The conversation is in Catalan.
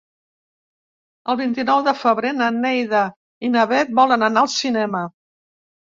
El vint-i-nou de febrer na Neida i na Bet volen anar al cinema.